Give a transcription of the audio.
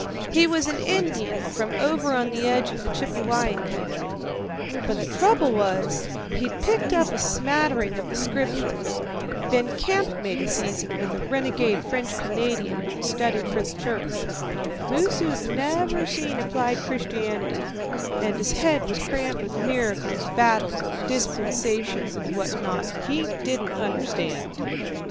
He was an Indian from over on the edge of the Chippewyan country, but the trouble was, he'd picked up a smattering of the Scriptures. Been campmate a season with a renegade French Canadian who'd studied for the church. Moosu'd never seen applied Christianity, and his head was crammed with miracles, battles, and dispensations, and what not he didn't understand.